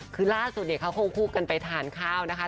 คือล่าสุดเนี่ยเขาควบคู่กันไปทานข้าวนะคะ